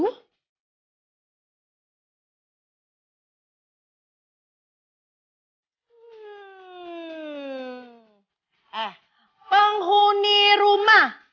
eh penghuni rumah